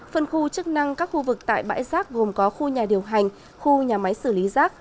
phân khu chức năng các khu vực tại bãi rác gồm có khu nhà điều hành khu nhà máy xử lý rác